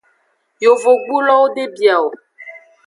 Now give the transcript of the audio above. Yovogbulowo de bia o.